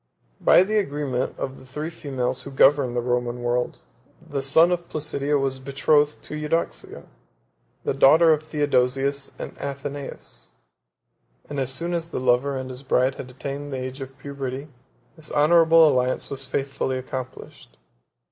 5 By the agreement of the three females who governed the Roman world, the son of Placidia was betrothed to Eudoxia, the daughter of Theodosius and Athenais; and as soon as the lover and his bride had attained the age of puberty, this honorable alliance was faithfully accomplished.